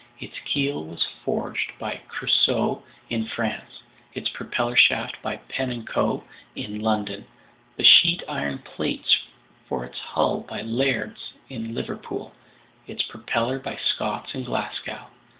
Its keel was forged by Creusot in France, its propeller shaft by Pen & Co. in London, the sheet iron plates for its hull by Laird's in Liverpool, its propeller by Scott's in Glasgow.